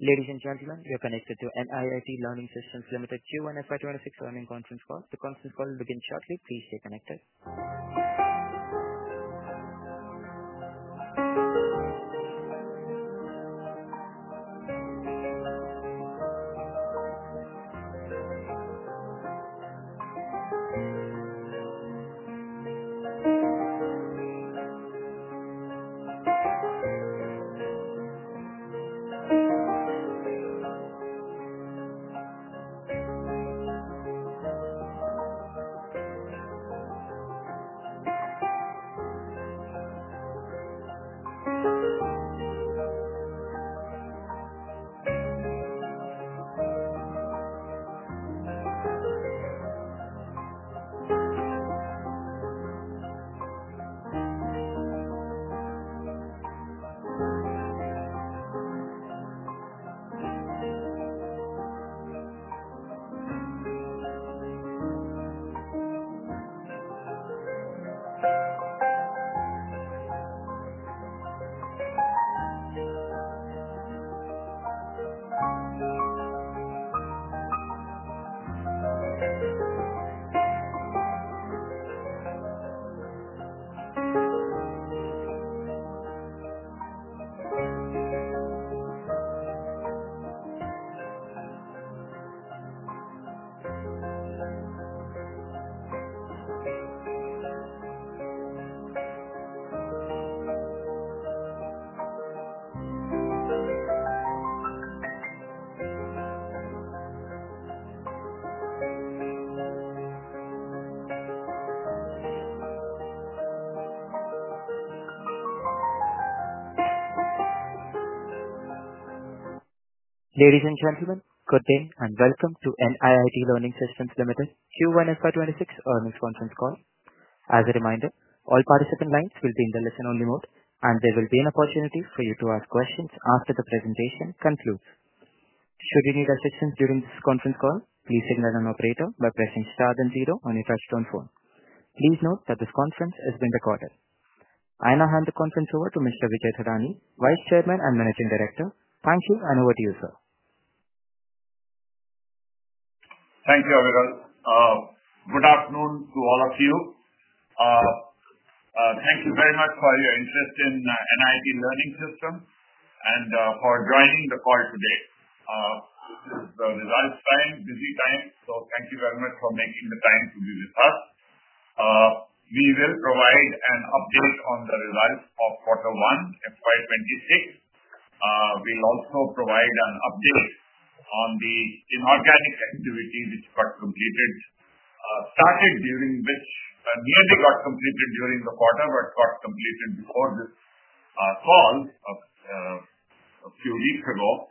Ladies and gentlemen, you're connected to NIIT Learning Systems Ltd Q1 FY 2026 earnings conference call. The conference call will begin shortly. Please stay connected. Ladies and gentlemen, good day and welcome to NIIT Learning Systems Ltd Q1 FY 2026 earnings conference call. As a reminder, all participant lines will be in the listen-only mode and there will be an opportunity for you to ask questions after the presentation concludes. To show any restrictions during this conference call, please signal an operator by pressing zero on your touchtone phone. Please note that this conference has been recorded. I now hand the conference over to Mr. Vijay Thadani, Vice Chairman and Managing Director. Thank you, and over to you, sir. Thank you, everyone. Good afternoon to all of you. Thank you very much for your interest in NIIT Learning Systems and for joining the call today. The results time, busy times, so thank you very much for making the time to be with us. We will provide an update on the results of quarter one FY 2026. We'll also provide an update on the inorganic activity which nearly got completed during the quarter but got completed before this call a few weeks ago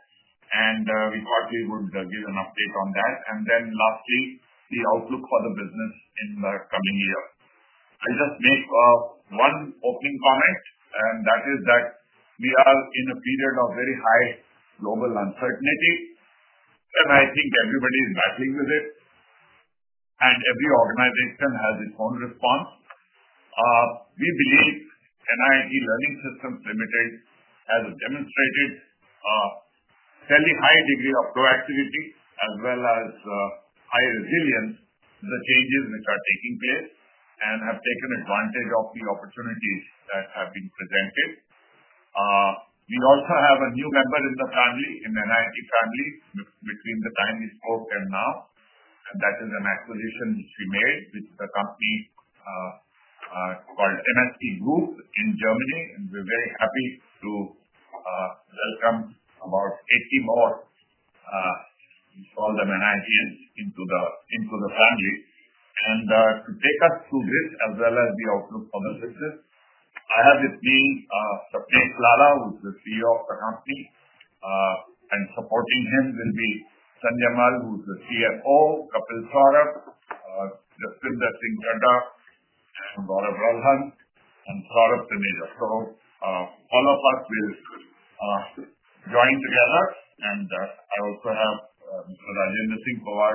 and we thought we would give an update on that. Lastly, the outlook for the business in the coming year. I just make one opening comment and that is that we are in a period of very high global uncertainty and I think everybody is happy with it and every organization has its own response. We believe NIIT Learning Systems Ltd has demonstrated a high degree of proactivity as well as high resilience to the changes which are taking place and have taken advantage of the opportunities that have been presented. We also have a new member in the NIIT family between the time we spoke and now. That is an acquisition which we made with the company called MSP Group in Germany and we're very happy to welcome about 80 more colleagues into the family. To take us through this as well as the outlook for the business, I have with me Sapnesh Lalla, who's the CEO of the company, and supporting him will be Sanjay Mal, who's the CFO, Kapil Saurabh, Justin D'Souza, Gaurav Arora, and Saurabh Sinha. All of us will join together and I also have the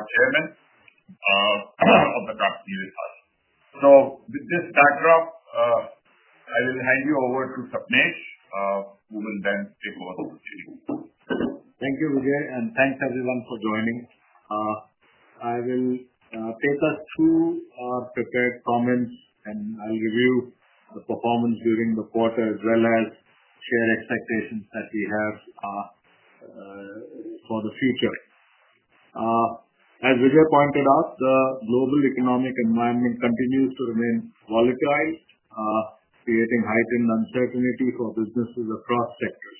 Chairman of the Board. With this backdrop, I will hand you over to Sapnesh. Thank you, Vijay, and thanks everyone for joining. I will take us through our prepared comments and review the performance during the quarter as well as share expectations that we have for the future. As Vijay pointed out, the global economic environment continues to remain volatile, creating heightened uncertainty for businesses across sectors.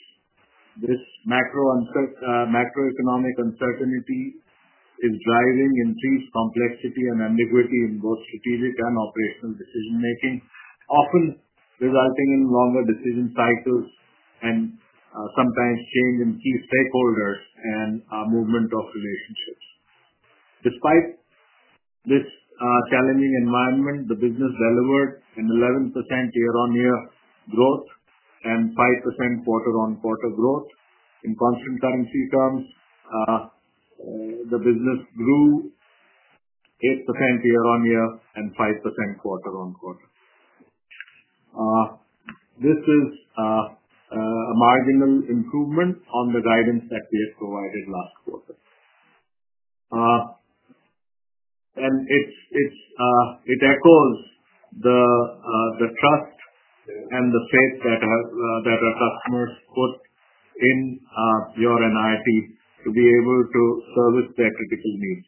This macroeconomic uncertainty is driving increased complexity and ambiguity in both strategic and operational decision making, often resulting in longer decision cycles and sometimes change in key stakeholders and movement of relationships. Despite this challenging environment, the business delivered an 11% year on year growth and 5% quarter on quarter growth. In constant currency terms, the business grew 8% year on year and 5% quarter on quarter. This is a marginal improvement on the guidance that we have provided last quarter and it echoes the trust and the faith that our customers put in NIIT to be able to service their critical needs.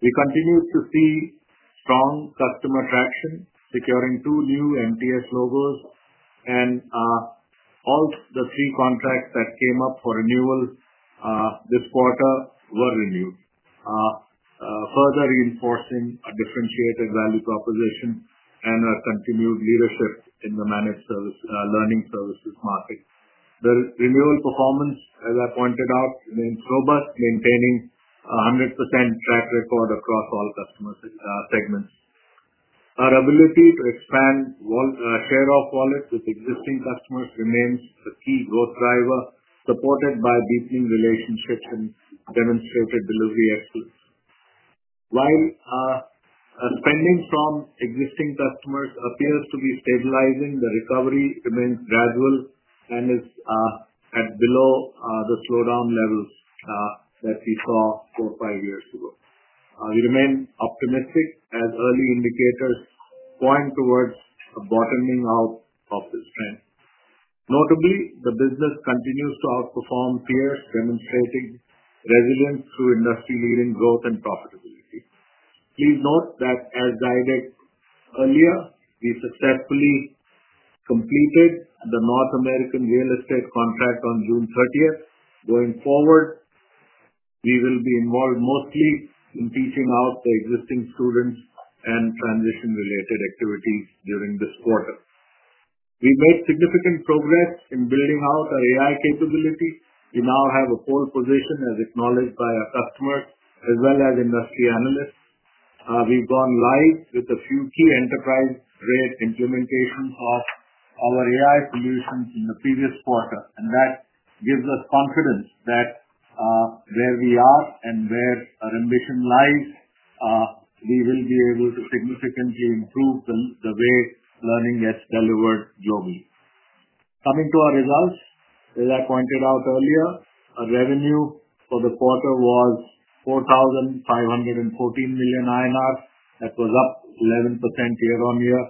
We continue to see strong customer traction, securing two new MTS logos and all the three contracts that came up for renewal this quarter were renewed, further reinforcing a differentiated value proposition and our continued leadership in the Managed Training Services market. The MTS performance, as I pointed out, remains robust, maintaining 100% track record across all customer segments. Our ability to expand share of wallet with existing customers remains a key growth driver supported by BPM relationships and demonstrated delivery excellence. While spending from existing customers appears to be stabilizing, the recovery remains gradual and is at below the slowdown levels that we saw four or five years ago. We remain optimistic as early indicators point towards a bottoming out of this trend. Notably, the business continues to outperform peers, demonstrating resilience through industry-leading growth and profitability. Please note that as guided earlier, we successfully completed the North America real estate contract on June 30. Going forward, we will be involved mostly in teaching out the existing students and transition related activities. During this quarter, we made significant progress in building out AI capability. We now have a pole position as acknowledged by our customers as well as industry analysts. We've gone live with a few key enterprise implementations of our AI solutions in the previous quarter, and that gives us confidence that where we are and where our ambition lies, we will be able to significantly improve the way learning gets delivered globally. Coming to our results, as I pointed out earlier, our revenue for the quarter was 4,514 million INR. That was up 11% year on year,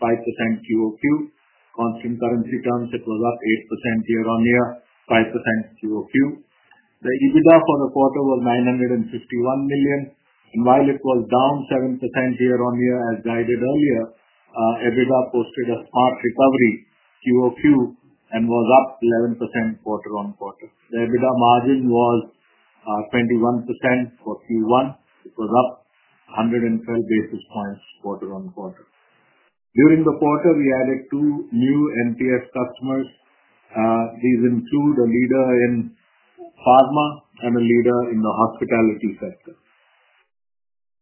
5% QoQ. In constant currency terms, it was up 8% year on year, 5% QoQ. The EBITDA for the quarter was 951 million, while it was down 7% year on year. As guided earlier, EBITDA posted a spot recovery QoQ and was up 11% quarter on quarter. The EBITDA margin was 21% for Q1. It was up 112 basis points quarter on quarter. During the quarter, we added two new MTS customers. These include a leader in pharma and a leader in the hospitality sector.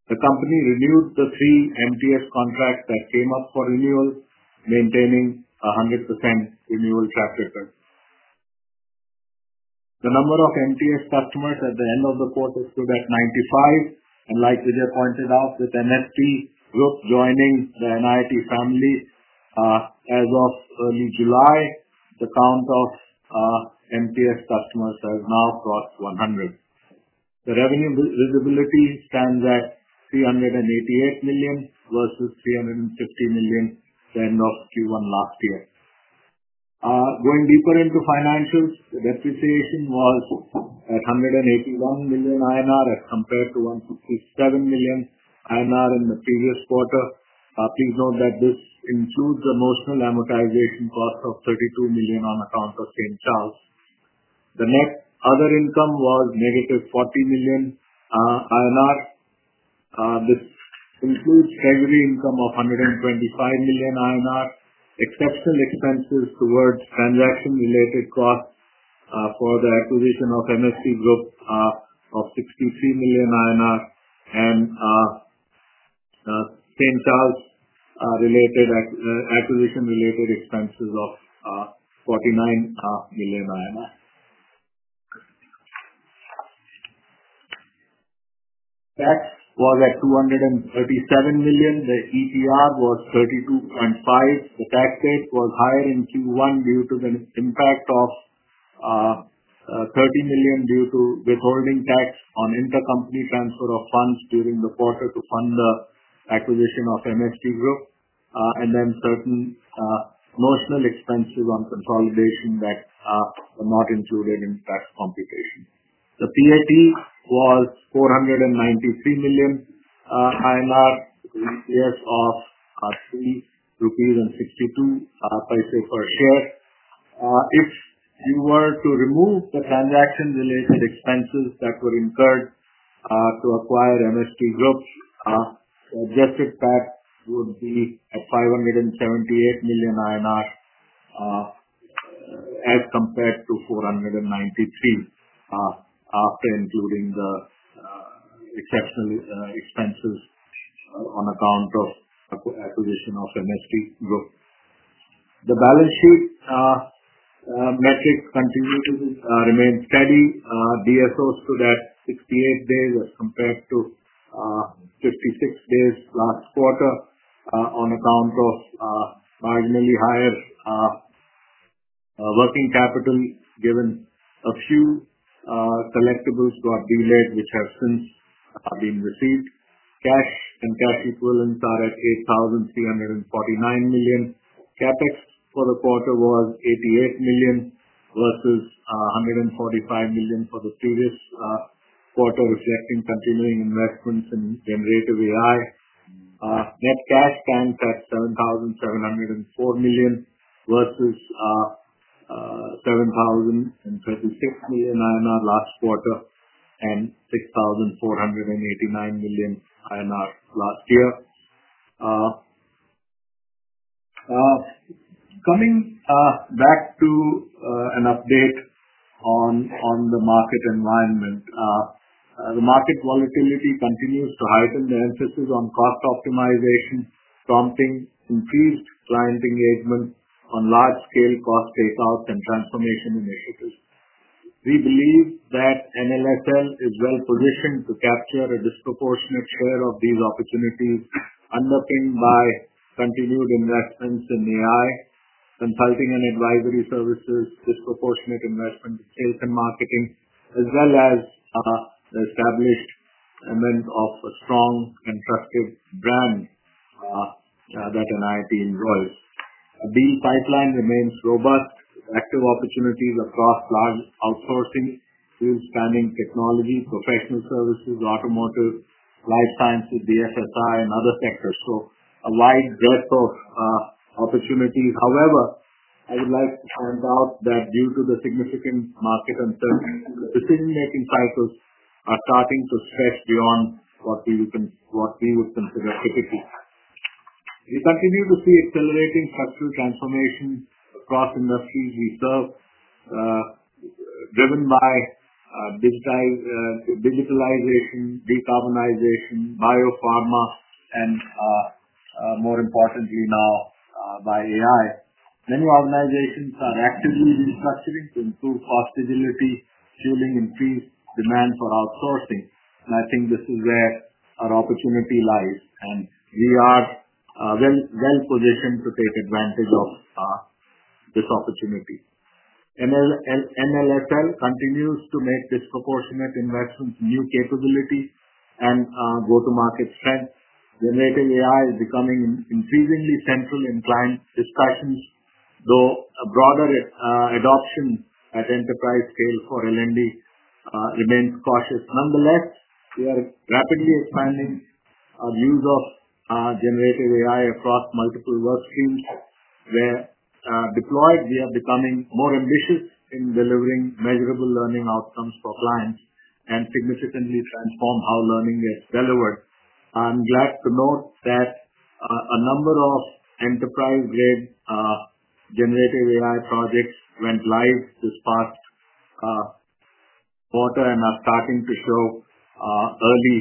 The company renewed the three MTS contracts that came up for renewal, maintaining 100% renewal practices. The number of MTS customers at the end of the quarter stood at 95, and like Vijay K. Thadani pointed out, with MSP Group joining the NIIT family as of early July, the count of MTS customers has now crossed 100. The revenue visibility stands at 388 million versus 350 million at the end of Q1 last year. Going deeper into financials, the depreciation was at 181 million INR as compared to 157 million INR in the previous quarter. Please note that this includes the most amortization cost of 32 million on account of St. Charles. The net other income was negative 40 million INR. This includes cavity income of 125 million INR. Exceptional expenses toward transaction-related costs for the acquisition of MSP Group were 63 million INR and final acquisition-related expenses of 49 million INR. Tax was at 237 million. The EPS was 32.5. The tax rate was higher in Q1 due to the impact of 30 million due to withholding tax on intercompany transfer of funds during the quarter to fund the acquisition of MSP Group and then certain expenses on consolidation that are not included in tax computation. The PAT was 493 million INR, EPS of 3 rupees and 62.34. If you were to remove the transaction-related expenses that were incurred to acquire MSP Group, PAT would be 578 million INR as compared to 493 million. After including the exceptional expenses on account of acquisition of MSP Group, the balance sheet metrics continue to remain steady. DSO stood at 68 days as compared to 56 days last quarter on account of marginally higher working capital given a few collectibles got delays which have since been received. Cash and cash equivalents are at 8,349 million. CapEx for the quarter was 88 million versus 145 million for the previous quarter. Reflecting continuing investments in generative AI, net cash stands at 7,704 million versus 7,036 million INR last quarter and 6,489 million INR last year. Coming back to an update on the market environment, the market volatility continues to heighten the emphasis on cost optimization, prompting increased client engagement on large-scale cost payout and transformation initiatives. We believe that NLSL is well positioned to capture a disproportionate share of these opportunities, unlocking by continued investments in AI consulting and advisory services, disproportionate investment, sales and marketing as well as establishment of strong and trusted brands. The NIIT deal pipeline remains robust, active opportunities across large authority standing technology, professional services, automotive, life sciences with the SSI and other sectors, so a wide depth of opportunities. However, I would like to point out that due to the significant marketing cycles are starting to stretch beyond what we would consider typical, we continue to see accelerating structural transformation across industries we serve, driven by digitalization, decarbonization, biopharma and more importantly now by AI. Many organizations are actively recasting to improve host agility, fueling increased demand for outsourcing and I think this is where our opportunity lies and we are well positioned to take advantage of this opportunity. NLSL continues to make disproportionate investment, new capabilities and go to market strength. Generative AI is becoming increasingly central in client discussions, though a broader adoption at enterprise scale for L&D remains cautious. Nonetheless, we are rapidly expanding our use of generative AI across multiple work streams. Where deployed, we are becoming more ambitious in delivering measurable learning outcomes for clients and significantly transform how learning is delivered. I'm glad to note that a number of enterprise-grade generative AI projects went live this past quarter and are starting to show early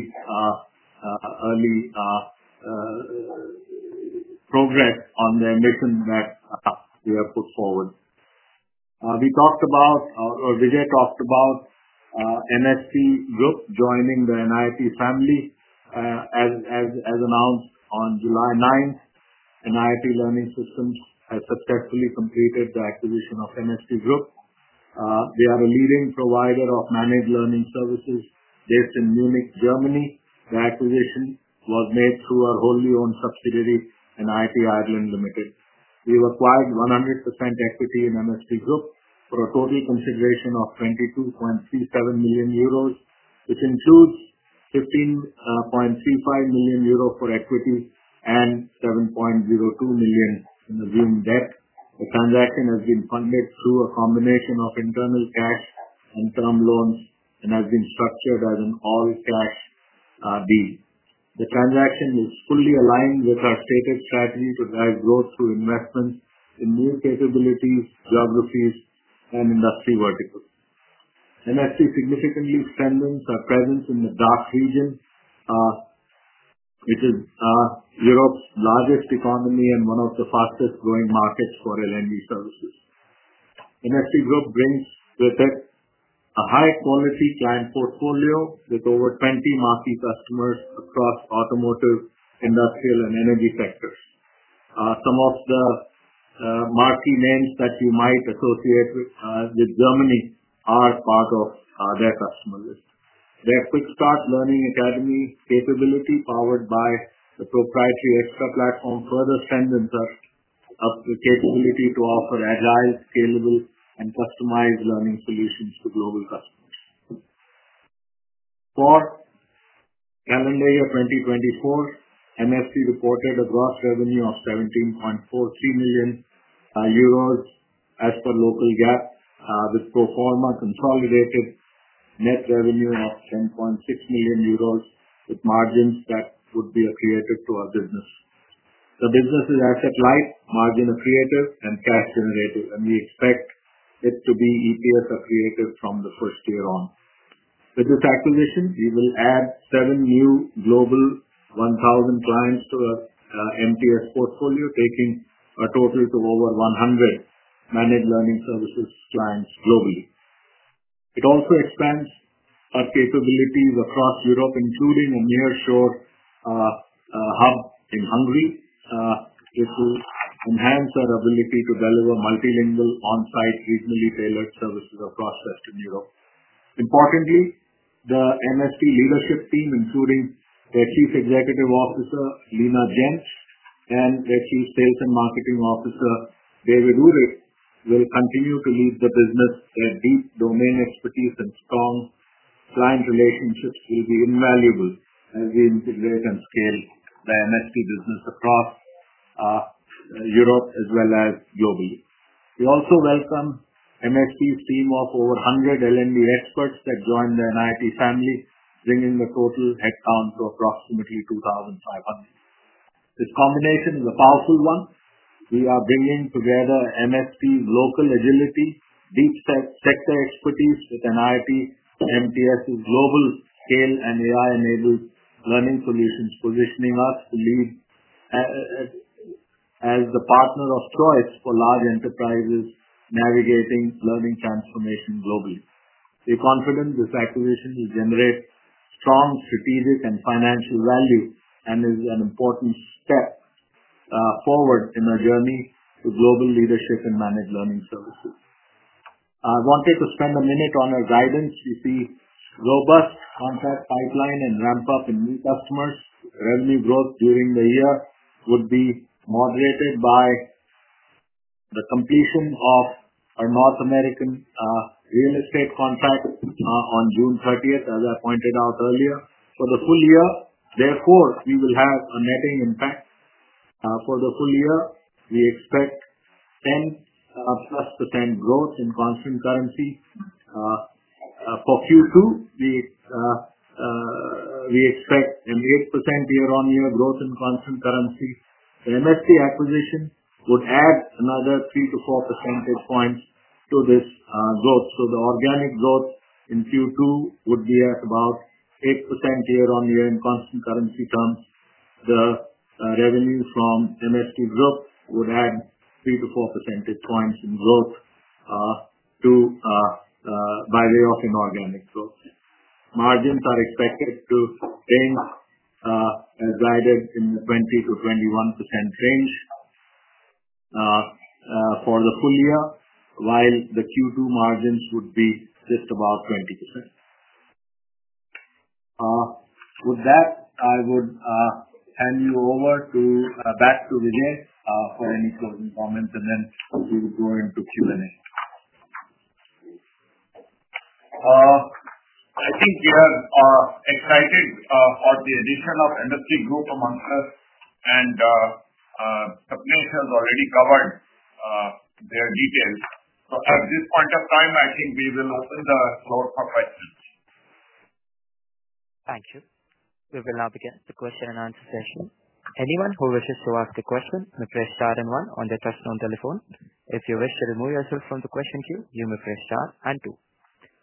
progress. On the admission that you have put forward. We talked about Vijay talked about MSP Group joining the NIIT family. As announced on July 9th NIIT Learning Systems has successfully completed the acquisition of MSP Group. They are a leading provider of managed learning services based in Munich, Germany. The acquisition was made through our wholly owned subsidiary NIIT Ireland Ltd. We acquired 100% equity in MSP Group for a total consideration of 22.37 million euros, which includes 15.35 million euro for equity and 7.02 million in assumed debt. The transaction has been funded through a combination of internal cash and loan and has been structured as an R&D. The transaction is fully aligned with our stated strategy to drive growth through investment in new capabilities, geographies, and industry verticals. MSP Group significantly strengthens our presence in the DACH region, which is Europe's largest economy and one of the fastest growing markets for learning. MSP Group brings with it a high quality client portfolio with over 20 marquee customers across automotive, industrial, and energy sectors. Some of the marquee names that you might associate with Germany are part of their customer list. Their Quick Start Learning Academy capability, powered by the proprietary Extra platform, further strengthens us to offer agile, scalable, and customized learning solutions to global customers. For calendar year 2024, MSP Group reported a gross revenue of 17.43 million euros as per local GAAP with pro forma consolidated net revenue of 10.6 million euros with margins that would be accretive to our business. The business is asset light, margin accretive, and fast generating, and we expect it to be EPS accretive from the first year on. With this acquisition, we will add seven new Global 1000 clients to our Managed Training Services portfolio, taking the total to over 100 managed learning services clients globally. It also expands our capabilities across Europe, including a nearshore hub in Hungary. It will enhance our ability to deliver multilingual, on-site, regionally tailored services across Western Europe. Importantly, the MSP Group leadership team, including their Chief Executive Officer Lena Jens and Chief Sales and Marketing Officer David Woodis, will continue to lead the business. Their deep domain expertise and strong client relationships will be invaluable as we integrate and scale the MSP business across Europe as well as globally. We also welcome MSP's team of over 100 L&D experts that joined the NIIT family, bringing the total headcount to approximately 2,500. This combination is a powerful one. We are bringing together MSP Group's local agility, deep sector expertise with NIIT MTS's global scale and AI-enabled learning solutions, positioning us to lead as the partner of choice for large enterprises navigating learning transformation globally. We're confident this acquisition will generate strong strategic and financial value and is an important step forward in our journey to global leadership in managed learning services. I wanted to spend a minute on our guidance. We see robust contract pipeline and ramp up in new customers. Revenue growth during the year would be moderated by the completion of our North America real estate contract on June 30th. As I pointed out earlier, for the full year, therefore you will have a netting impact. For the full year we expect 10+% growth in constant currency. For Q2 we expect an 8% year-on-year growth in constant currency. MSP Group acquisition would add another 3 to 4 percentage points to this growth. The organic growth in Q2 would be at about 8% year-on-year. In constant currency terms, the revenue from MSP Group would add 3 to 4 percentage points in growth by way of inorganic flow. Margins are expected to trend brighter in the 20 to 21% range for the full year, while the Q2 margin would be just about 20%. With that I would hand you back to Vijay for any closing comments and then we will go into Q&A. I think you are excited for the addition of industry group amongst us and has already covered their details. At this point of time, I think we will open the floor for questions. Thank you. We will now begin the question and answer session. Anyone who wishes to ask a question may press star and one on the touchtone telephone. If you wish to remove yourself from the question queue, you may press star and two.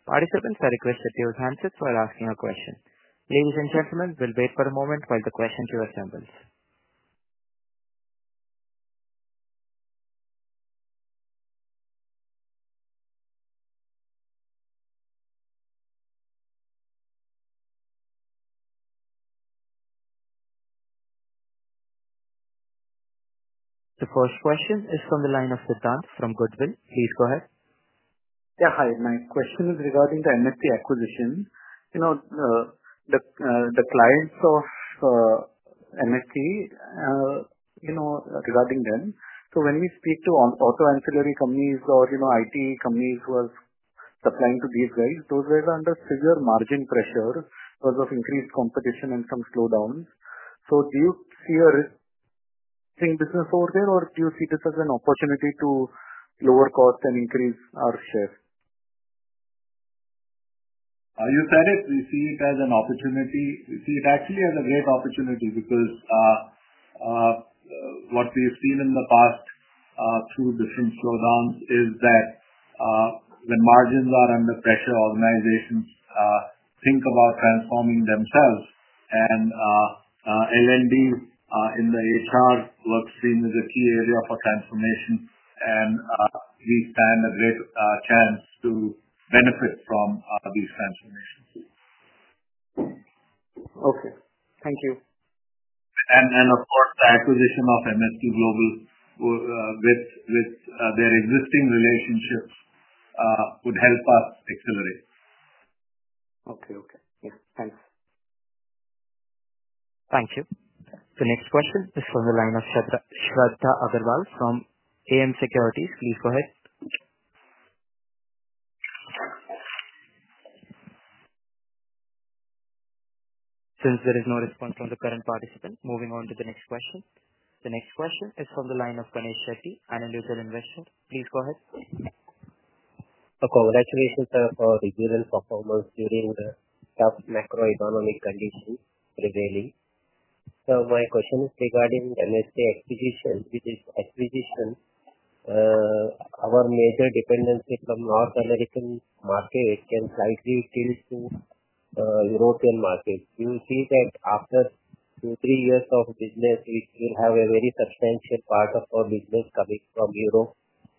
Participants, I requested your answers while asking a question. Ladies and gentlemen, we'll wait for a moment while the question queue assembles. The first question is from the line of Sudan from Goodwill. Please go ahead. Yeah. Hi. My question is regarding the MSP Group acquisition. You know, the clients of MSP, you know regarding them. When we speak to auto ancillary companies or IT companies who are supplying to these guys, those guys are under severe margin pressure because of increased competition and some slowdowns. Do you see a risk seeing business over there or do you see this as an opportunity to lower cost and increase our share? You said it. We see it as an opportunity. We see it actually as a great opportunity because what we've seen in the past through different slowdowns is that when margins are under pressure, organizations think about transforming themselves. L&D in the ACR workstream is a key area for transformation and we stand a great chance to benefit from Atabi's transformation. Thank you. Of course, the acquisition of MSP Group with their existing relationships would help us accelerate. Thank you. The next question is from the line of Shradha Agrawal from AM Securities. Please go ahead. Since there is no response from the current participant, moving on to the next question. The next question is from the line of Penny Shetty Analytical Investment. Please go ahead. Congratulations for the given performance of commerce during the tough macroeconomic conditions regularly. My question is regarding NLSL acquisition which is acquisition, our major dependency from North American market can slide these deals to European market. You will see that after two, three years of business, we still have a very substantial part of our business coming from Europe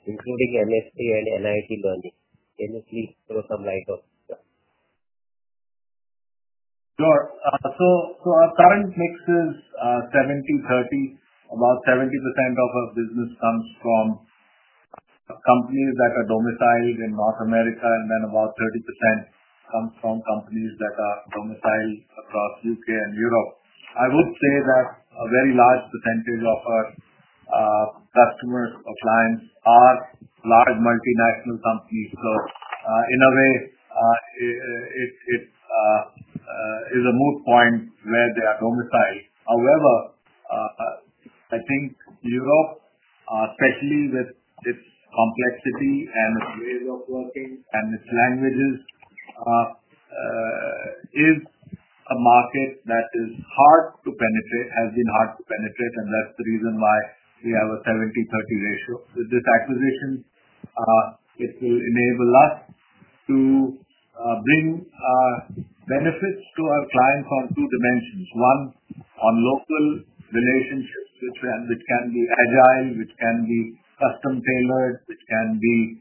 including MTS and NIIT Learning. Can you please throw some light on? Sure. Our current mix is 70:30. About 70% of our business comes from companies that are domiciled in North America. About 30% comes from companies that are domiciled across UK and Europe. I would say that a very large percentage of our customer clients are large multinational companies. In a way it is a moot point where they are domiciled. However, I think Europe, especially with its complexity and its ways of working and its languages, is a market that is hard to penetrate, has been hard to penetrate. That's the reason why we have a 70:30 ratio. This acquisition will enable us to bring benefits to our clients on two dimensions. One, on local relationships which can be agile, which can be custom tailored, can be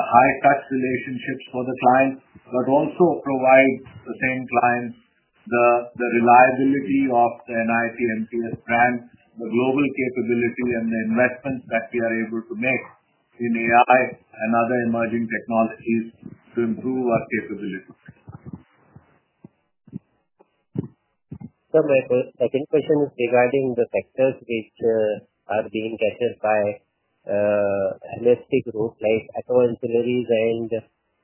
high touch relationship for the client, but also provide the same clients the reliability of the NIIT MTS brand, the global capability, and the investments that we are able to make in AI and other emerging technologies to improve our capabilities. My second question was regarding the sectors which are being cashed by and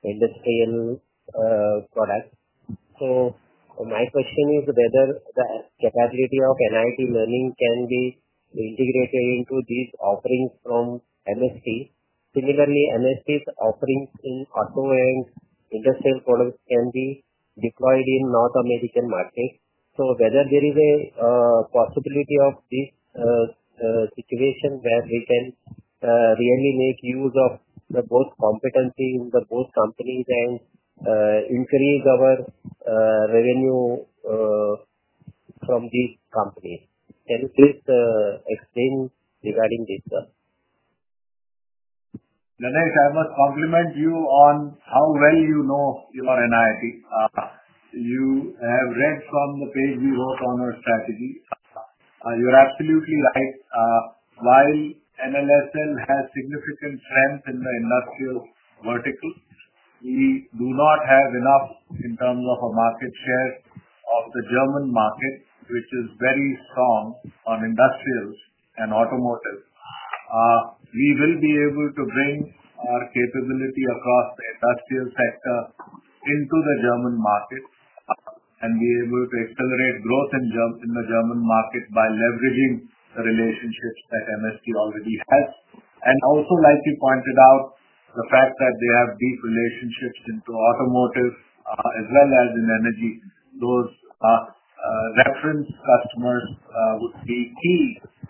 industrial products. My question is whether the capability of NIIT Learning can be integrated into these offerings from MSP. Similarly, MTS offerings in auto and industrial products can be deployed in North American markets. Whether there is a possibility of this situation, we have really made use of both competency in both companies and increase our revenue from these companies. Can you please explain regarding this? I must compliment you on how well you know your NIIT. You have read from the page. We work on our strategy. You're absolutely right. While NLSL has significant strength in the industrial vertical, we do not have enough in terms of a market share of the German market, which is very strong on industrial and automotive. We will be able to bring our capability across the industrial sector into the German market and be able to accelerate growth in the German market by leveraging relationships that MSP already has. Also, like we pointed out, the fact that they have deep relationships into automotive as well as in energy. Those reference customers would be key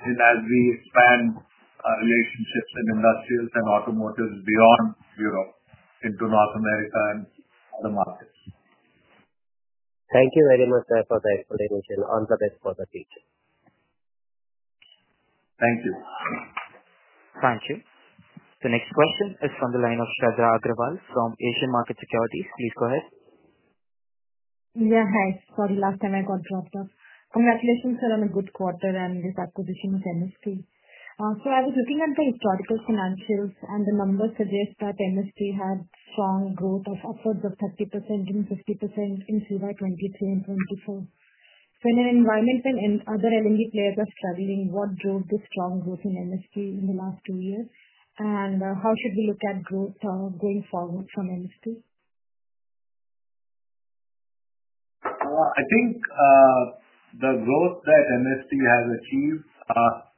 as we span relationships and industrials and automotives beyond Europe into North America and the market. Thank you very much for the explanation. All the best for the future. Thank you. Thank you. The next question is from the line of Shradha Agrawal from Asian Market Securities. Please go ahead. Yeah, hi. Sorry. Last time I got dropped off. Congratulations on a good quarter and with acquisition of MSP Group. I was looking at the historical financials and the numbers suggest that MSP Group had strong growth of upward of 50% in July 2023 and 2024. In an environment where other L&D players are struggling, what drove this strong growth in Managed Training Services in the last two years and how should we look at growth going forward from MSP Group? I think the growth that NLSL has achieved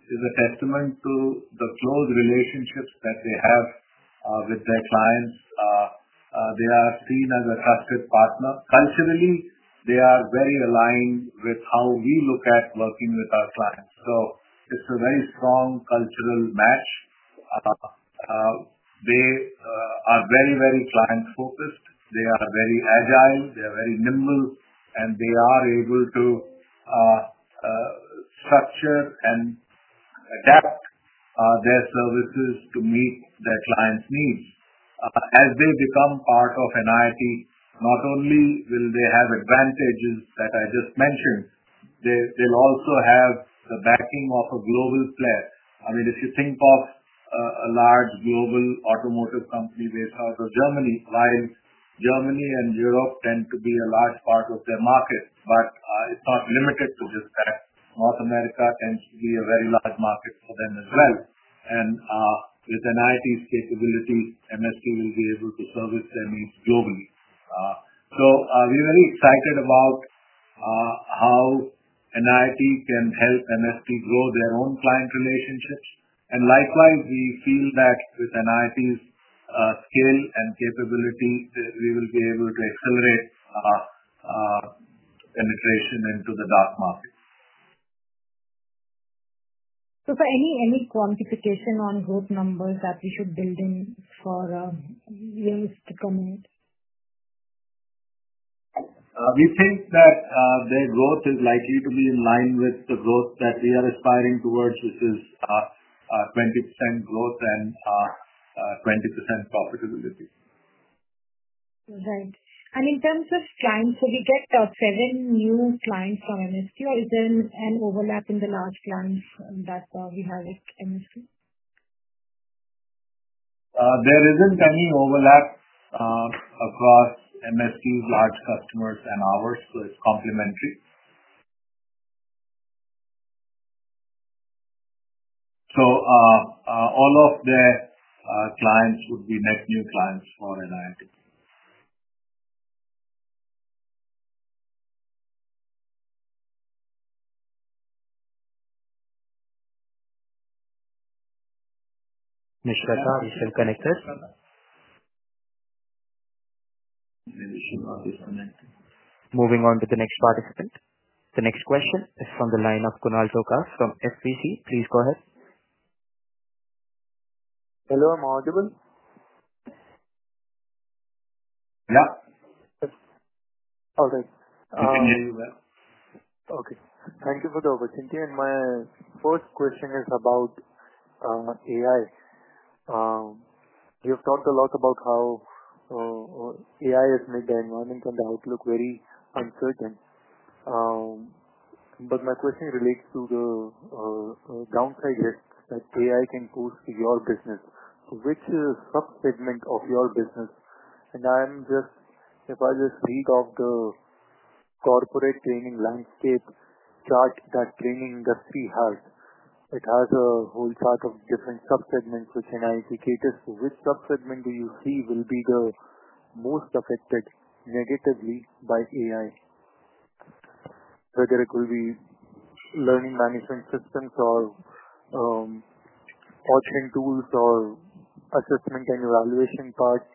is a testament to the close relationships that they have with their clients. They are seen as a trusted partner. Culturally, they are very aligned with how we look at working with our clients. It's a very strong cultural match. They are very, very client focused, they are very agile, they are very nimble, and they are able to structure and adapt their services to meet their clients' needs as they become part of NIIT. Not only will they have advantages that I just mentioned, they'll also have the backing of a global player. I mean, if you think of a large global automotive company based out of Germany, while Germany and Europe tend to be a large part of their market, it's not limited to that. North America tends to be a very large market for them as well. With NIIT's capabilities, MSP Group will be able to service their needs globally. We're really excited about how NIIT can help MSP Group grow their own client relationships. Likewise, we feel that with NIIT's scale and capability, we will be able to accelerate integration into the DACH market. Any quantification on growth numbers that we should build in for years to come? We think that their growth is likely to be in line with the growth that we are aspiring towards, which is 20% growth and 20% profitability. Right. In terms of slides, do we get seven new slides from MSP Group or is there an overlap in the large plans that we have with MSP? There isn't any overlap across MSP's large customers and ours. It's complementary. All of the clients would be new clients for NIIT. Next, I have self connected. Moving on to the next participant. The next question is from the line of Kunal Tokar from FPC. Please go ahead. Hello, I'm audible. Okay, thank you for the opportunity. My first question is about AI. You've talked a lot about how AI has made the environment and outlook very uncertain. My question relates to the downside risks that AI can pose to your business. Which subsegment of your business, and I'm just, if I just read off the corporate training landscape chart that Training Industry has, it has a whole chart of different subsegments which analyze us. Which subsegment do you see will be the most affected negatively by AI? Whether it will be learning management systems or authoring tools or assessment and evaluation parts.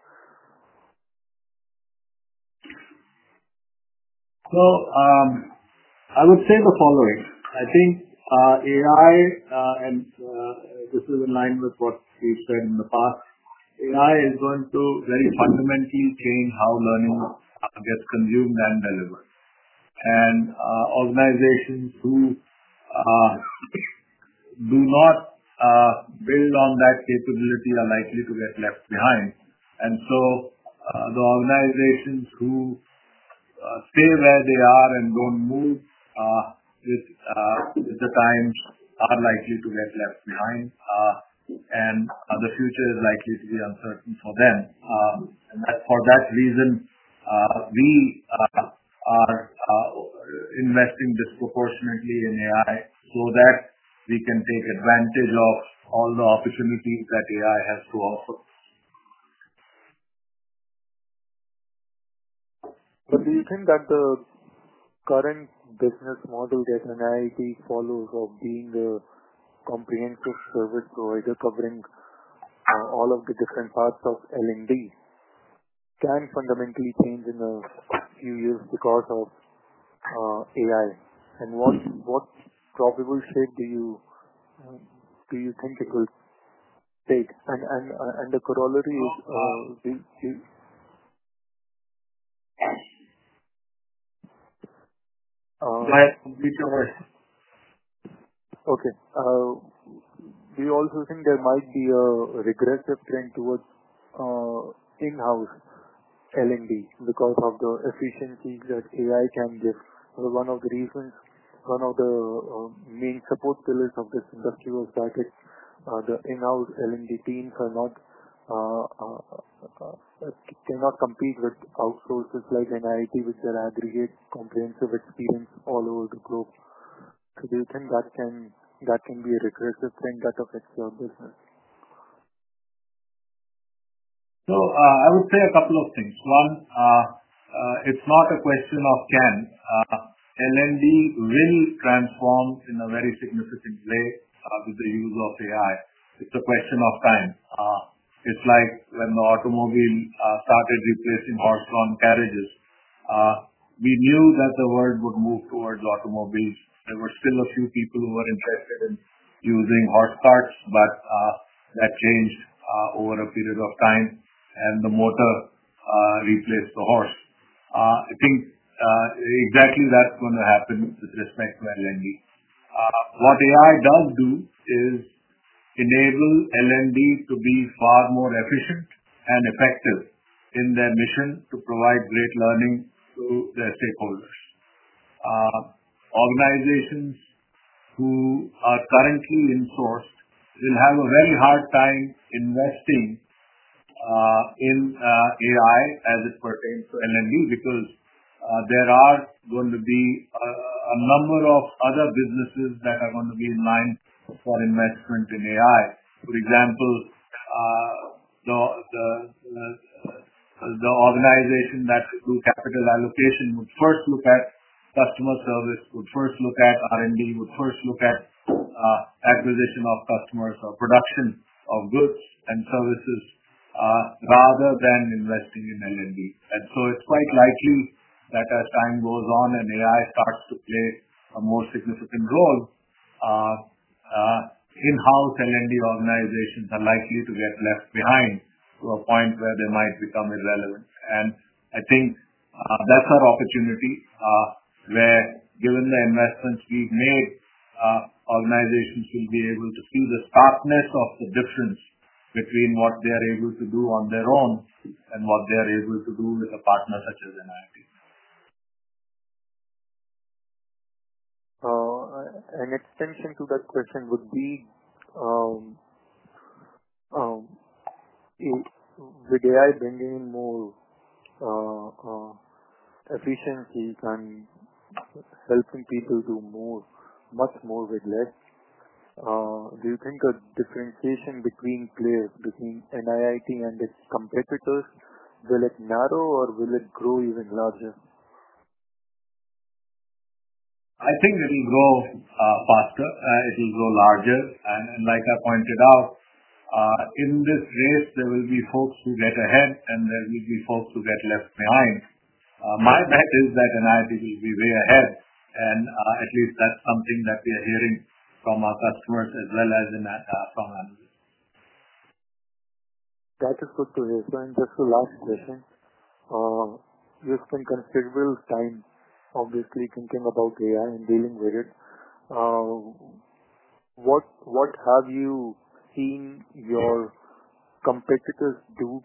I would say the following. I think AI, and this is in line with what you said in the past, is going to very fundamentally change how learning gets consumed and delivered. Organizations who do not build on that capability are likely to get left behind. Organizations who stay where they are and don't move with the times are likely to get left behind, and the future is likely to be uncertain for them. For that reason, we are investing disproportionately in AI so that we can take advantage of all the opportunities that AI has to offer. To the extent that the current business model that NIIT follows of being a comprehensive service provider covering all of the different parts of L&D can fundamentally change in a few years because of AI. What probable change do you think it will take? The corollary is, okay, we also think there might be a regressive trend towards in-house L&D because of the efficiencies that AI can give. One of the main support pillars of that view is that the in-house L&D teams cannot compete with outsourcers like NIIT, which aggregates comprehensive experience all over the globe. Do you think that can be a recursive thing, that of examples? I would say a couple of things. One, it's not a question of can. L&D will transform in a very significant way with the use of AI. It's a question of time. It's like when the automobile started replacing horse-drawn carriages. We knew that the world would move towards automobile. There were still a few people who were interested in using hot carts, but that changed over a period of time. The motor replaced the horse. I think exactly that's going to happen. With respect to L&D, what AI does do is enable L&D to be far more efficient and effective in their mission to provide great learning to their stakeholders. Organizations who are currently insourced will have a very hard time investing in AI as it pertains to L&D because there are going to be a number of other businesses that are going to be in line for investment in AI. For example, the organizations that do capital allocation would first look at customer service, would first look at R&D, would first look at acquisition of customers or production of goods and services rather than investing in L&D. It's quite likely that as time goes on and AI starts to play a more significant role in house and L&D, organizations are likely to get left behind to a point where they might become irrelevant. I think that's our opportunity where, given the investments we've made, organizations will be able to see the starkness of the difference between what they are able to do on their own and what they are able to do with a partner such as NIIT. An extension to that question would be more efficiencies and helping people do much more with less. Do you think a differentiation between players, between NIIT and its competitors, will it narrow or will it grow even larger? I think it will grow faster. It will grow larger. Like I pointed out, in this race there will be folks who get ahead and there will be folks who get left behind. My bet is that NIIT will be way ahead. At least that's something that we are hearing from our customers as well as in that. That's good to raise. Just the last question. You spend considerable time obviously thinking about AI and dealing with it. What have you seen your competitors do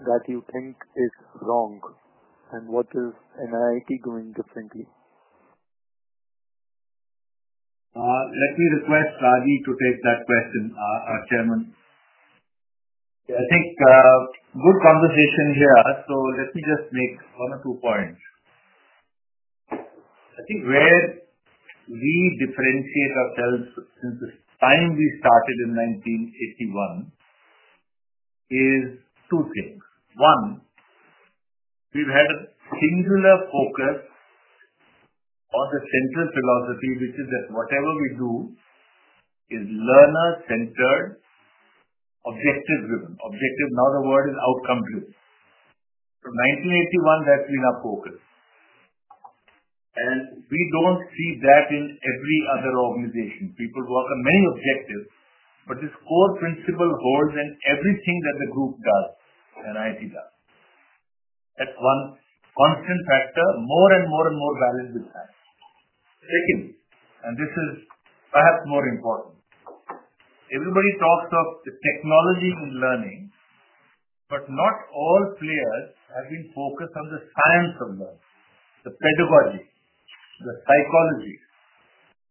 that you think is wrong? What is NIIT doing differently? Let me request Raghi to take that question, Chairman. I think good conversation here. Let me just make on a two point. I think where we differentiate ourselves since the time we started in 1981 is two things. One, we've had a singular focus on the central philosophy, which is that whatever we do is learner-centered, objective-driven. Objective, not a word, is outcomes list. 1981 has been a focus and we don't see that in every other organization. People work on many objectives. This core principle holds in everything that the group does and NIIT does. That's one constant factor. More and more and more valid is second, and this is perhaps more important. Everybody talks stuff and the technology learning, but not all players have been focused on the science of them, the pedagogy, the psychology.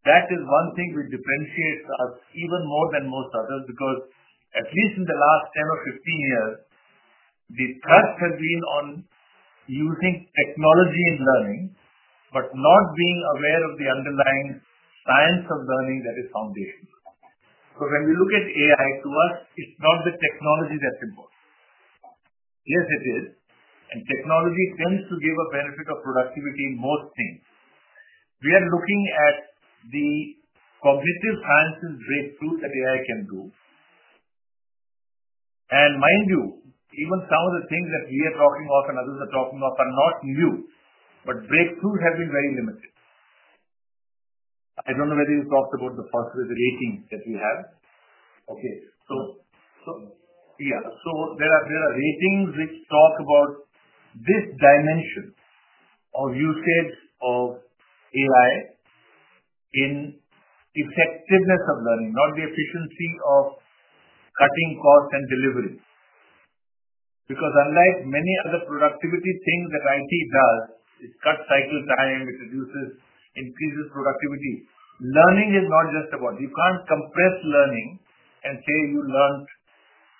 That is one thing which differentiates us even more than most others. At least in the last 10 or 15 years the thirst has been on using technology in learning but not being aware of the underlying science and learning that is foundation. When we look at AI, to us it's not the technology that's important. Yes, it is. Technology tends to give a benefit of productivity in most things. We are looking at the cognitive sciences breakthrough that AI can do. Mind you, even some of the things that we are talking of and others are talking about are not new. Breakthrough has been very limited. I don't know whether you talked about the pulse of the rating that we have. There are ratings which talk about this dimension of usage of AI in effectiveness of learning, not the efficiency of cutting cost and delivery. Unlike many other productivity things that it does, it cuts cycle time, it reduces, increases productivity. Learning is not just about you can't compress learning and say you learn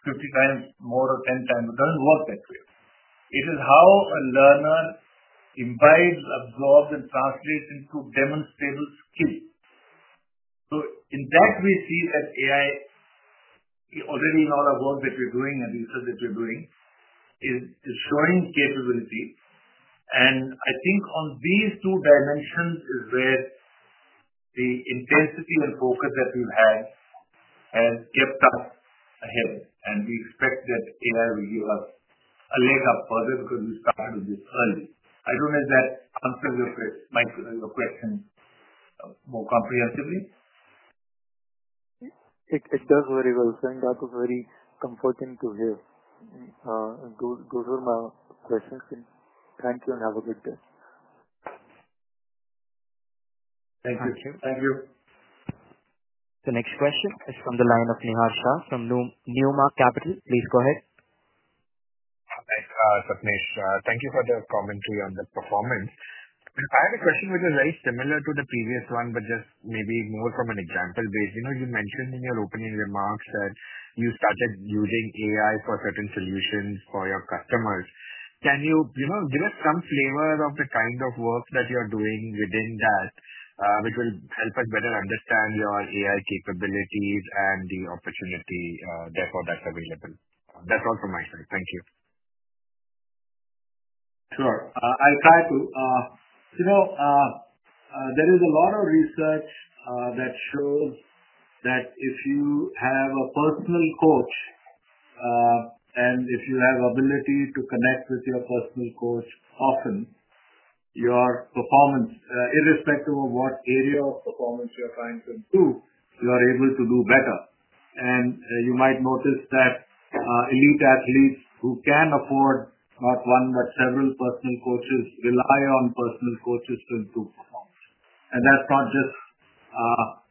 50 times more or 10 times. It doesn't work that way. It is how a learner imbibes, absorbs, and translates into demonstrable skill. In that we see that AI already in all our work that we're doing and research that we're doing is showing capability. I think on these two dimensions is where the intensity and focus that we've had has kept us ahead. We expect that AI will give us a layup further because we started with this early. I don't know if that comes to my question more comprehensively. It does very well. Saying that was very comforting to hear. Those are my questions. Thank you and have a good day. Thank you. Thank you. The next question is from the line of Nihar Shah from Newmark Capital. Please go ahead. Thank you for the commentary on the performance. I had a question which is very similar to the previous one, but just maybe more from an example based. You know, you mentioned in your opening remarks that you started using AI for certain solutions for your customers. Can you give us some flavor of the kind of work that you're doing within that which will help us better understand your AI capabilities and the opportunity? Therefore, that's available. That's all from my side. Thank you. Sure. I'll try to. There is a lot of research that shows that if you have a personal coach and if you have ability to connect with your personal coach, often your performance, irrespective of what area of performance you're trying to improve, you are able to do better. You might notice that elite athletes who can afford not one, but several personal coaches rely on personal coaches to improve. That's not just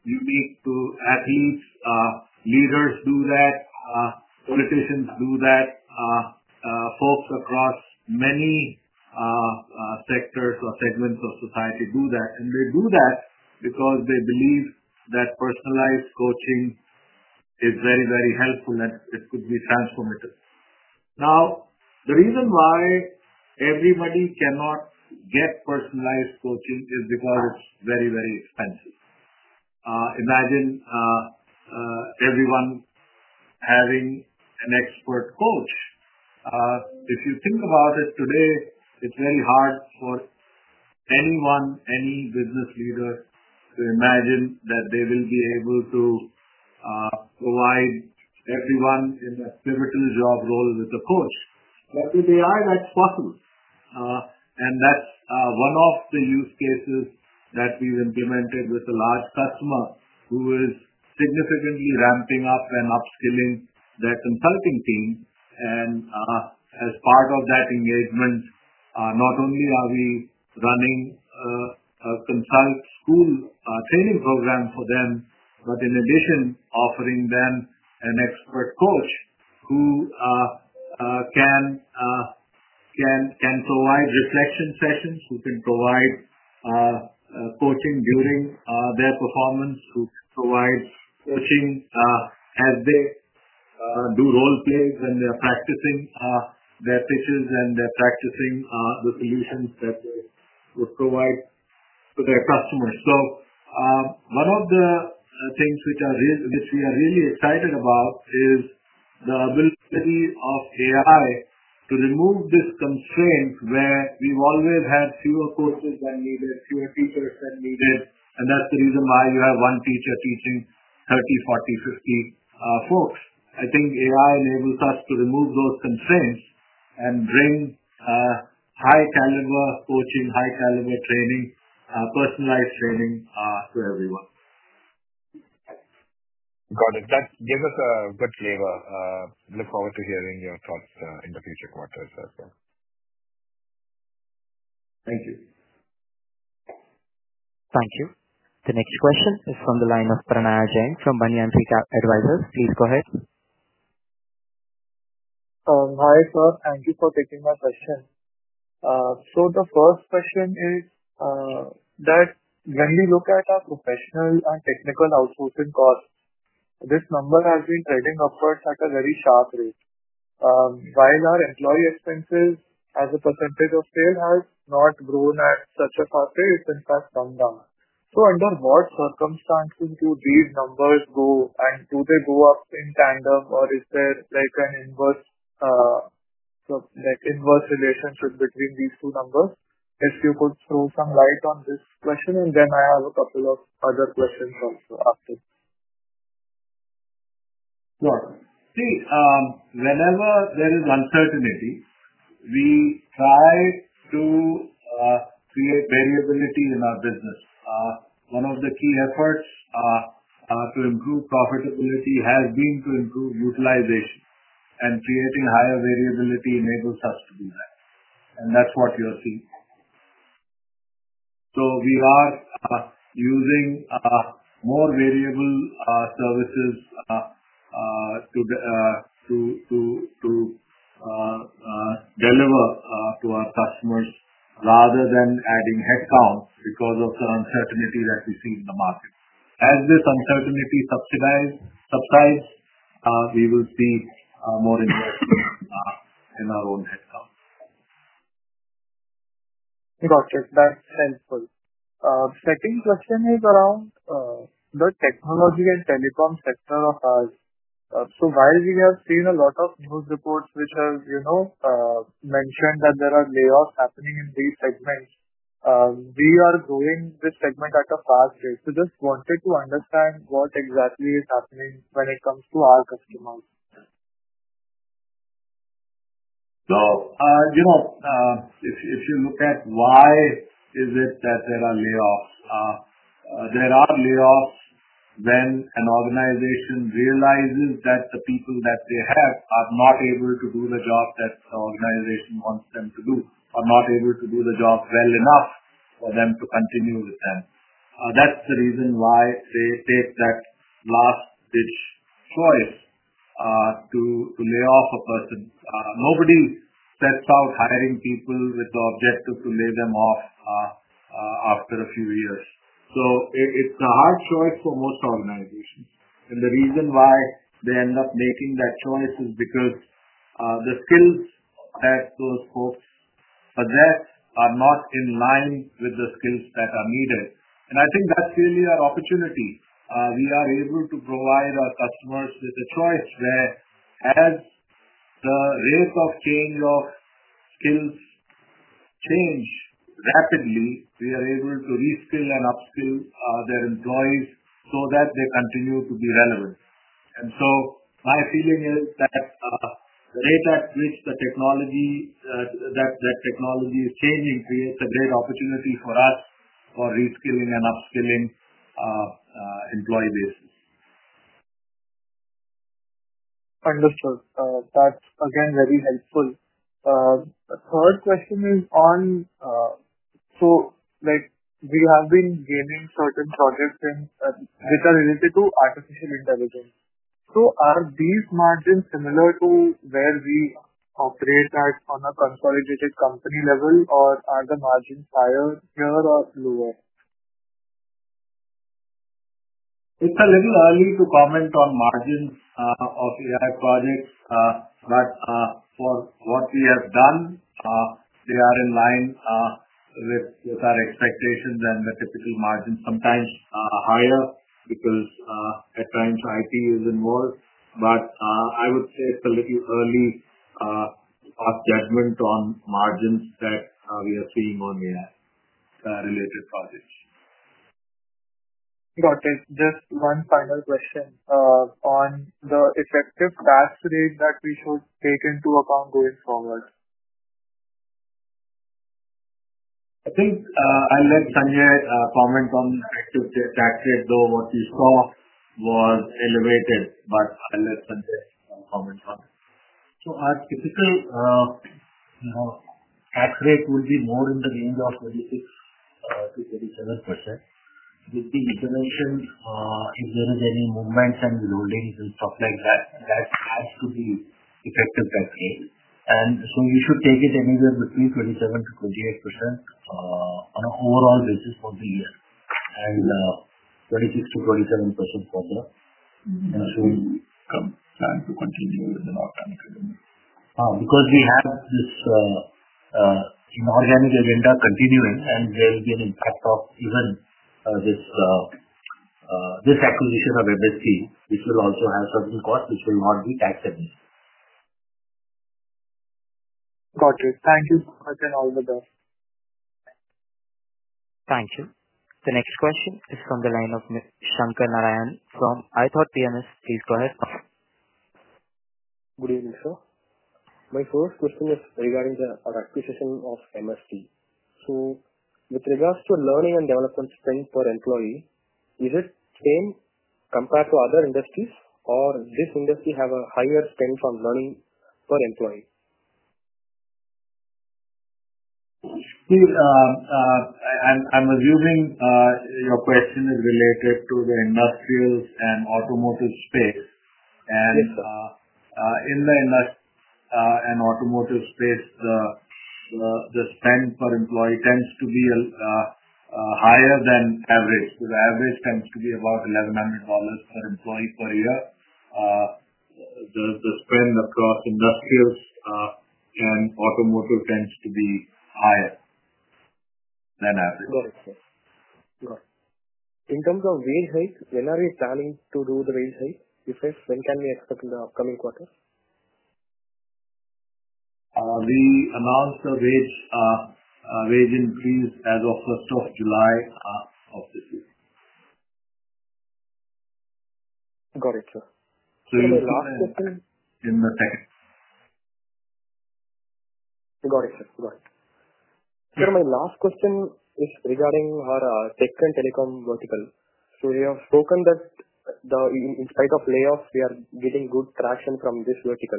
unique to athletes. Leaders do that, politicians do that. Folks across many sectors or segments of society do that. They do that because they believe that personalized coaching is very, very helpful and it could be transformative. The reason why everybody cannot get personalized coaching is because it's very, very expensive. Imagine everyone having an expert coach. If you think about it today, it's very hard for anyone, any business leader to imagine that they will be able to provide everyone in that pivotal job role with a coach. If they are, that's possible. That's one of the use cases that we've implemented with a large customer who is significantly ramping up and upskilling that developing team. As part of that engagement, not only are we running a consult school training program for them, but in addition offering them an expert coach who can provide reflection sessions, who can provide coaching during their performance to provide coaching as they do role play when they're practicing their pitches and practicing the solutions that would provide to their customers. One of the things which we are really excited about is the ability of AI to remove this constraint where you always had fewer personal one leaders, 30% needed and that's the reason why you have one teacher teaching 30, 40, 50 folks. I think AI enables us to remove those constraints and bring high caliber coaching, high caliber training, personalized training to everyone. Got it. That gives us a good flavor. Look forward to hearing your thoughts in the future. Thank you. Thank you. The next question is from the line of Pranaya Jain from Banyan Tree Advisors. Please go ahead. Hi sir. Thank you for taking my question. The first question is that when we look at our professional and technical outputs in cost, this number has been trending upwards at a very sharp rate while our employee expenses as a percentage of sale has not grown at such a fast pace and has come down. Under what circumstances do these numbers go, and do they go up in tandem, or is there an inverse relationship between these two numbers? If you could throw some light on this question, then I have a couple of other questions also. Whenever there is uncertainty, we try to create variability in our business. One of the key efforts to improve profitability has been to improve utilization, and creating higher variability enables us to do that. That is what you are seeing. We are using more variable services to deliver to our customers rather than adding headcount because of the uncertainty that we see in the market. As this uncertainty subsides, we will see more investment in our own. Got this, that's helpful. Second question is around the technology and telecom sector of ours. While we have seen a lot of news reports which have mentioned that there are layoffs happening in these segments, we are growing this segment at a fast pace. I just wanted to understand what exactly is happening when it comes to our customer. If you look at why is it that there are layoffs, there are layoffs when an organization realizes that the people that they have are not able to do the job that the organization wants them to do, are not able to do the job well enough for them to continue with that. That is the reason why they take that to lay off a person. Nobody sets out hiring people with the objective to lay them off after a few years. It is a hard choice for most organizations. The reason why they end up making that choice is because the skills that those folks possess are not in line with the skills that are needed. I think that is really our opportunity. We are able to provide our customers with a choice where, as the rate of change of skills changes rapidly, we are able to reskill and upskill their employees so that they continue to be relevant. My feeling is that technology changing creates a great opportunity for us for reskilling and upskilling employee bases. Understood, that's again very helpful. The third question is on, like, we have been gaining certain projects which are related to artificial intelligence. Are these margins similar to where we operate on a consolidated company level or are the margins higher here or lower? It's a little early to comment on margin of AI projects, but for what we have done they are in line with our expectations and the typical margin, sometimes higher because at times it is inverse. I would say still get your earnings judgment on margins that we are seeing on related projects. Got it. Just one final question on the effective tax rate that we should take into account going forward. I think I'll let Sanjay comment on tax rate. What we saw was innovative but still less than. So our typical tax rate will be more in the range of the intervention. If there is any movement and loading stuff like that, that has to be effective tax, and we should take it anywhere between 27% to 28% on overall rates considered and 25th formula because we have this continuum and they'll give impact of even this acquisition of MSP which will also have certain cost which will not be taxable. Got it. Thank you so much. Thank you. The next question is from the line of Sankaranarayanan from I Thought PMS. Please go ahead. Good evening, sir. My first question is regarding the productivity of MSP. With regards to learning and development strength for employee, is it same compared to other industries or does this industry have a higher strength of learning per employee? I'm assuming your question is related to the industrials and automotive space. In the automotive space, the spend per employee tends to be higher than average because average tends to be about $1,100 per employee. The trend across industrial and automotive tends to be higher. In terms of wage hike. Are you planning to do the range? If yes, when can we expect in the upcoming quarters? We announced the rates raising breeze as of July 1st of this year. Got it, sir. Got it. My last question is regarding our second telecom vertical. You have spoken that in spite of layoff we are getting good traction from this vertical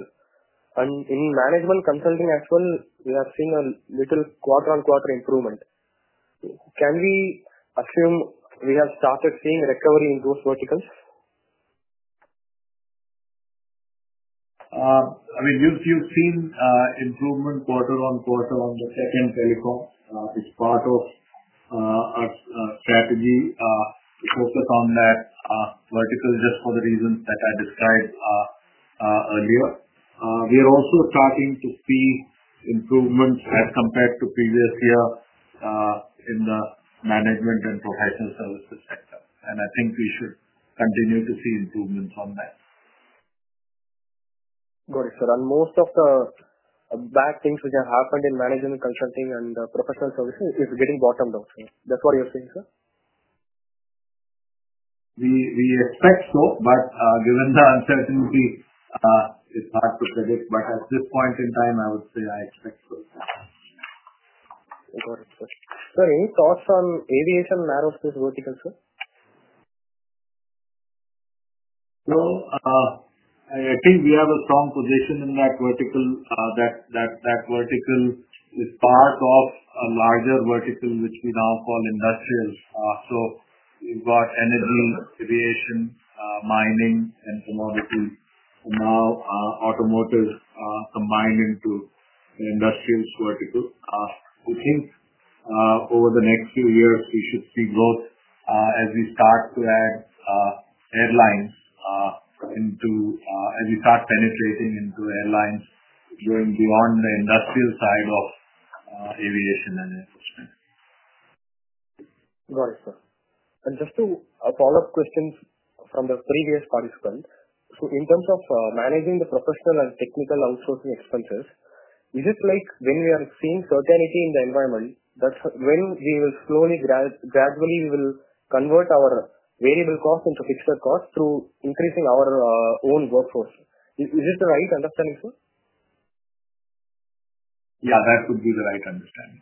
and in management consulting as well. You have seen a lot of little quarter on quarter improvement. Can we assume we have started seeing recovery in those verticals? You've seen improvement quarter on quarter on the second telecom. It's part of our strategy focused on that vertical just for the reasons that I described earlier. We are also starting to see improvements as compared to previous year in the management and professional services sector. I think we should continue to see improvements on that. Got it, sir. Most of the bad things which have happened in management consulting and professional services is getting bottomed out. That's what you're saying, sir? We expect so, but given the uncertainty, it's hard to predict. At this point in time I would say I expect. Any thoughts on aviation narrow space vertical, sir? I think we have a strong position in that vertical. That vertical is part of a larger vertical which we now call industrials. You've got energy creation, mining, and automotive combined into industrial vertical. We think over the next few years we should see growth as we start to add airlines into, as we start penetrating into airlines going beyond the industrial side of aviation and infrastructure. Got it, sir. Just to follow up questions from the previous participant in terms of managing the professional and technical outsourcing expenses, is it like when we are seeing certainty in the environment? That's when we will slowly, gradually convert our variable cost into fixed cost through increasing our own workforce. Is this the right understanding, sir? Yeah, that could be the right understanding.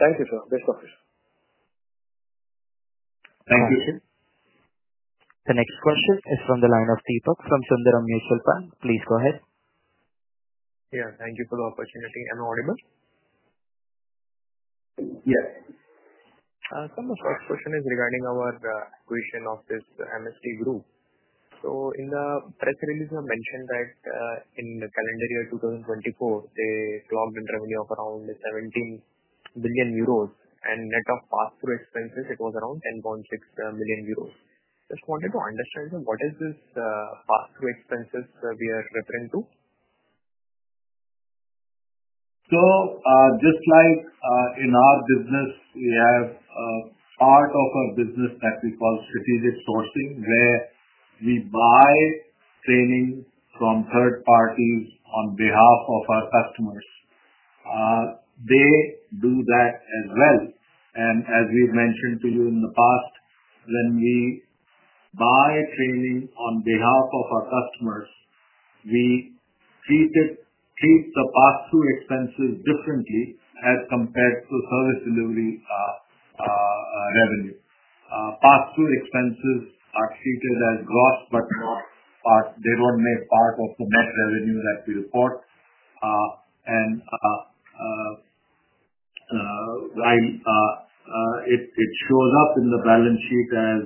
Thank you, sir. Great question. Thank you, sir. The next question is from the line of TTALK from Sundaram Mutual. Please go ahead. Yeah, thank you for the opportunity. Am I audible? Yeah. My first question is regarding our question of this MSP Group. In the press release I mentioned that in the calendar year 2024 they logged in revenue of around 17 billion euros and net of pass through expenses it was around 10.6 million euros. Just wanted to understand what is this pass through expenses we are referring to? Just like in our business, we have a part of our business that we call strategic sourcing where we buy training from third parties on behalf of our customers. They do that as well. As we've mentioned to you in the past, when we buy training on behalf of our customers, we treat the pass through expenses differently as compared to service delivery revenue. Pass through expenses are treated as gross but not parts. They don't make part of the month revenue that we report and it shows up in the balance sheet as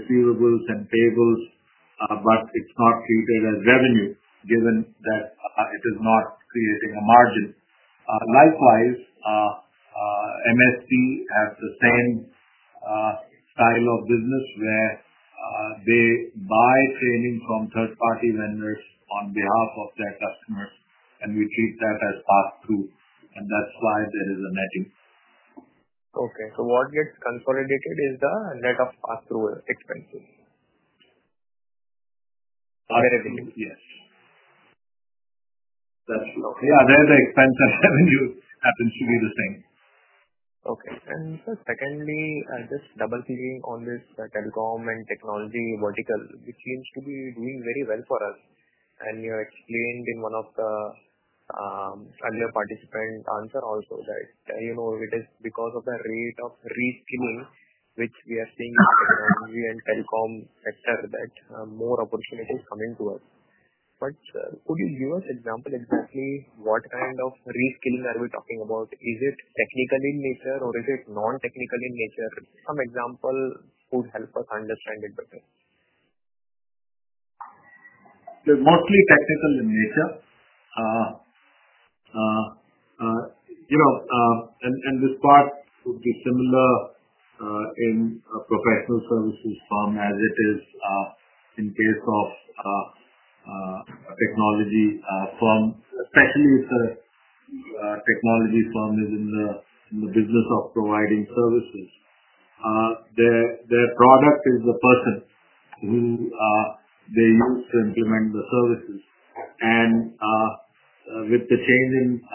receivables and payables. It's not treated as revenue given that it is not creating a margin. Likewise, MSP Group has the same style of business where they buy training from third-party vendors on behalf of their customers, and we treat that as pass-through, and that's why there is a netting. Okay. What gets consolidated is the net of pass-through expenses. Yes. The expense and revenue happen to be the same. Okay. Secondly, I'll just double-clicking on this telecom and technology vertical, which seems to be doing very well for us. You explained in one of the earlier participant answers also that it is because of the rate of reskilling which we are seeing in the technology and telecom sector that more opportunities are coming to us. Could you give us an example, especially what kind of reskilling are we talking about? Is it technical in nature or is it non-technical in nature? Some example would help us understand it better. It's mostly technical in nature, and this part would be similar in a professional services firm as it is in the case of a technology firm. Especially if a technology firm is in the business of providing services, their product is the person who they use to implement the services. With the changing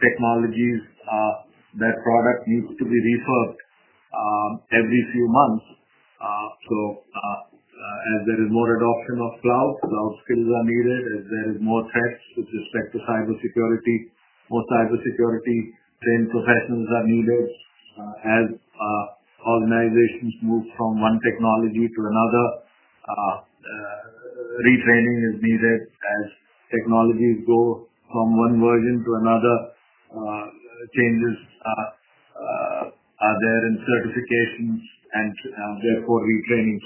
technologies, that product used to be refreshed every few months. As there is more adoption of cloud, cloud skills are needed. As there is more test with respect to cybersecurity, more cybersecurity-trained professionals are needed. As organizations move from one technology to another, retraining is needed. As technologies go from one version to another, changes are there in certifications and therefore retraining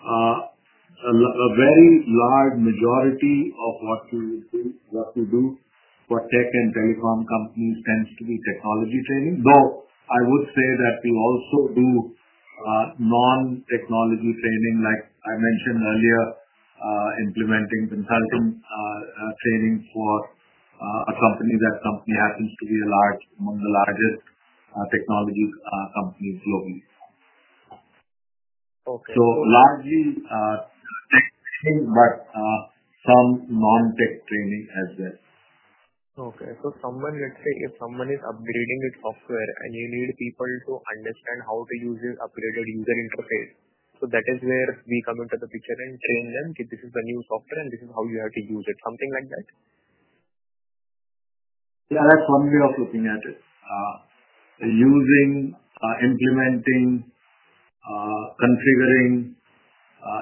scope. A very large majority of what we do for tech and telecom companies tends to be technology training, though I would say that we also do non-technology training like I mentioned earlier, implementing consultant training for a company. That company happens to be among the largest technology companies globally. Okay, so largely, but some non-tech training as well. Okay, so if someone is upgrading its software and you need people to understand how to use an upgraded user interface, that is where we come into the picture and train them. This is the new software, and this is how you have to use it. Something like that? Yeah. That's one way of looking at it. Using, implementing, configuring,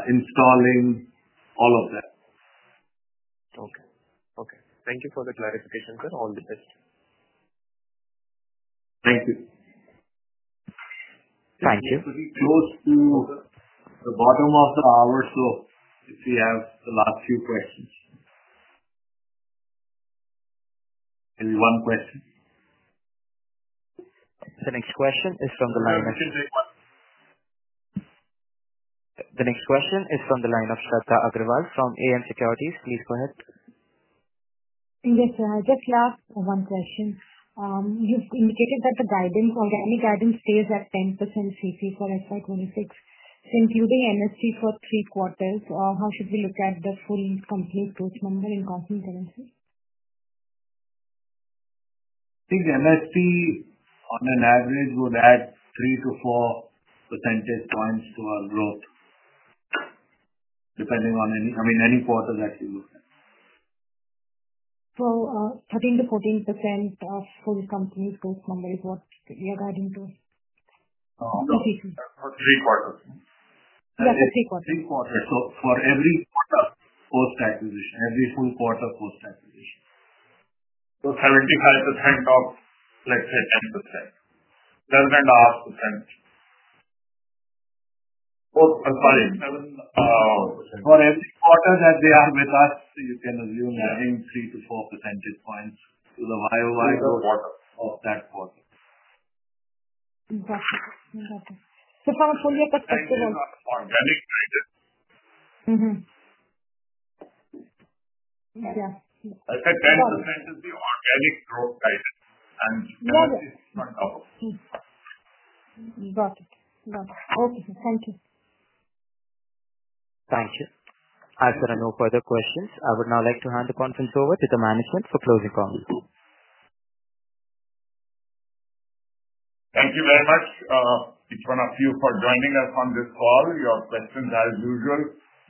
installing, all of that. Okay. Thank you for the clarification, sir. All the best. Thank you. Thank you. Close to the bottom of the hour, so we have the last few questions. The next question is from the line of Shradha Agrawal from AM Securities. Please go ahead. I just have one question. You've indicated that the guidance or the EPS guidance stays at 10% constant currency for SR26. Since you're doing NSC for three quarters, how should we look at the full complete approach number in constant currency? I think MSP on an average would add 3 to 4 percentage points to our growth depending on, I mean, any quarters. Actually looked at So 13 to 14% of COVID companies, regarding those. For every full quarter post acquisition, 75% of, let's say, 10% of 7, sorry, 7 for that they are with us. You can assume having 3 to 4 percentage points of that 10% is the organic stroke. Got it. Okay. Thank you. Thank you. As there are no further questions, I would now like to hand the conference over to the management for closing comments. Thank you very much, each one of you, for joining us on this call. Your questions, as usual,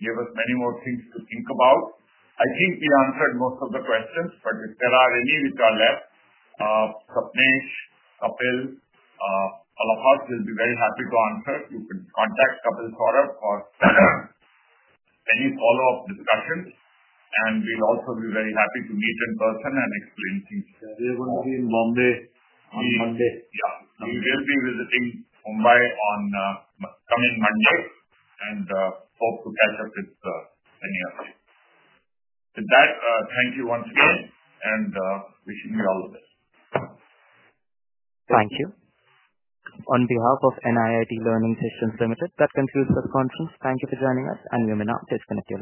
give us many more things to think about. I think we answered most of the questions, but if there are any which are left, all of us will be very happy to answer. You could contact Kapil Khora for any follow-up discussion, and we'll also be very happy to meet in person and explain things. We are going to be in Mumbai on Monday. Yes, we will be visiting Mumbai on the coming Monday and hope to catch up with you then. Thank you once again and wishing you all the best. Thank you. On behalf of NIIT Learning Systems Ltd, that concludes this conference. Thank you for joining us and you may now disconnect.